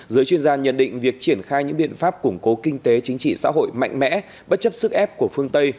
giới chuyên gia nhận định việc triển khai những biện pháp củng cố kinh tế chính trị xã hội mạnh mẽ bất chấp sức ép của phương tây